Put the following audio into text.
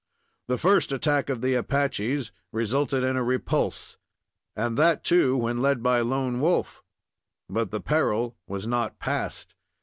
The first attack of the Apaches resulted in a repulse, and that, too, when led by Lone Wolf; but the peril was not past.